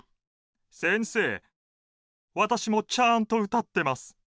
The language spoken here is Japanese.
先生わたしもちゃんと歌ってます。